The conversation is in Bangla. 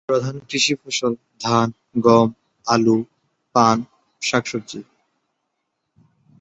প্রধান কৃষি ফসল ধান, গম, আলু, পান, শাকসবজি।